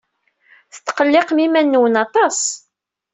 Tetqelliqem iman-nwen aṭas.